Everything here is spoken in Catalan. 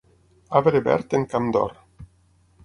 Arbre verd en camp d'or.